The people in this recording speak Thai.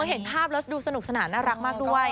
เห็นภาพดูสนุกสนามน่ารักด้วย